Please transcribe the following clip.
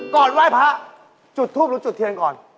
ไหว้พระจุดทูปหรือจุดเทียนก่อน